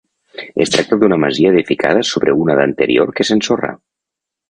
Es tracta d'una masia edificada sobre una d'anterior que s'ensorrà.